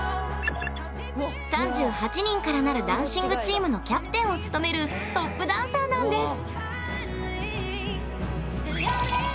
３８人からなるダンシングチームのキャプテンを務めるトップダンサーなんです。